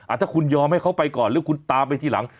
ถ้าคุณยอมให้เขาไปก่อนหรือคุณตามไปทีหลัง